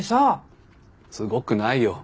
すごくないよ。